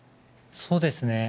そうですね。